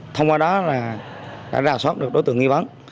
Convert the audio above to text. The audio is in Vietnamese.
thông qua đó là đã rào soát được đối tượng nghi vấn